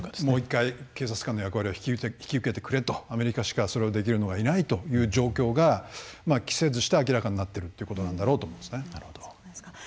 もう１回警察官の役割を引き受けてくれとアメリカしか、それをできるのはいないという状況が期せずして明らかになっているということなんだと思います。